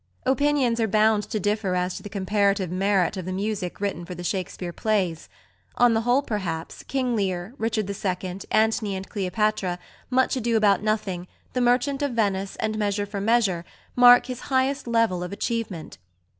{ix} Opinions are bound to differ as to the comparative merit of the music written for the Shakespeare plays: on the whole, perhaps, King Lear, Richard II., Antony and Cleopatra, Much Ado about Nothing, The Merchant of Venice, and Measure for Measure mark his highest level of achievement.